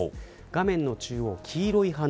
画面の中央、黄色い花。